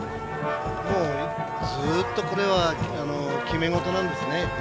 ずっとこれは決め事なんですね。